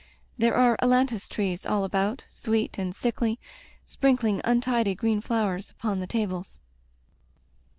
There are ailantus trees all about, sweet and sickly, sprinkling un tidy green flowers upon the tables.